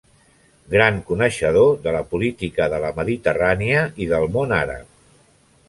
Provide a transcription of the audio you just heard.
Gran coneixedor de la política de la Mediterrània i del Món Àrab.